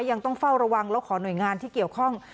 ยังต้องเฝ้าระวังแล้วขอหน่วยงานที่เกี่ยวข้อง